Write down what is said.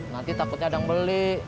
nanti takutnya ada yang beli